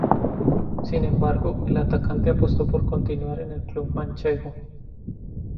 Sin embargo, el atacante apostó por continuar en el club manchego.